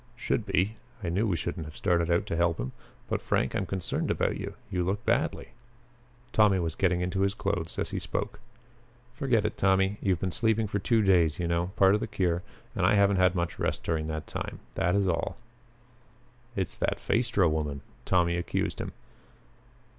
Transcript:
"Should be. I knew we shouldn't have started out to help him. But, Frank, I'm concerned about you. You look badly." Tommy was getting into his clothes as he spoke. "Forget it, Tommy. You've been sleeping for two days, you know part of the cure and I haven't had much rest during that time. That is all." "It's that Phaestra woman," Tommy accused him.